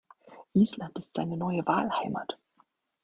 Island ist seine neue Wahlheimat.